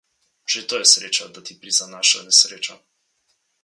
Že to je sreča, da ti prizanaša nesreča.